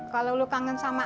kalau lu kangen sama ani